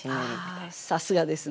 あさすがですね。